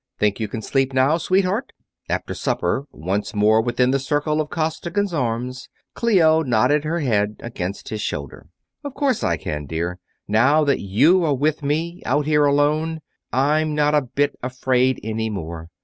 "Think you can sleep now, sweetheart?" After supper, once more within the circle of Costigan's arms, Clio nodded her head against his shoulder. "Of course I can, dear. Now that you are with me, out here alone, I'm not a bit afraid any more.